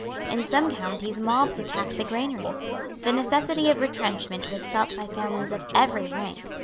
In some counties mobs attacked the granaries. The necessity of retrenchment was felt by families of every rank.